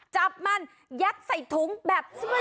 จับมันยักษ์ใส่ถุงแบบสบาย